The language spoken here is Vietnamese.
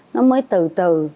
nó mới từ từ